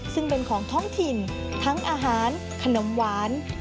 ซึ่งเป็นของท้องถิ่นทั้งอาหารขนมหวาน